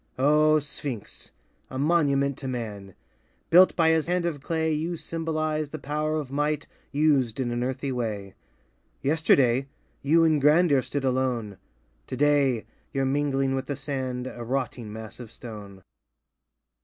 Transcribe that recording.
O Sphinx — a monument to man! Built by his hand of clay, You symbolize the power of might Used in an earthy way. Yesterday, you in grandeur stood alone. Today, you're mingling with the sand A rotting mass of stone.